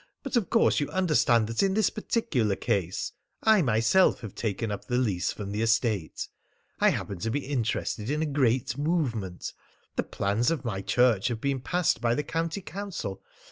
But of course you understand that in this particular case.... I myself have taken up the lease from the estate. I happen to be interested in a great movement. The plans of my church have been passed by the county council.